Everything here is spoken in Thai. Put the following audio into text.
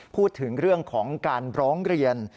พูดถึงเรื่องของการร้องเรียน